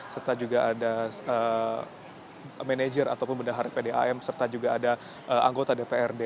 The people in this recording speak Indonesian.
serta juga ada manajer ataupun pendahar pdam serta juga ada anggota dprd